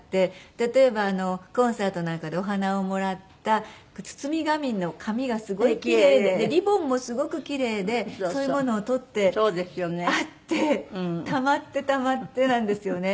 例えばコンサートなんかでお花をもらった包み紙の紙がすごい奇麗でリボンもすごく奇麗でそういうものを取ってあってたまってたまってなんですよね。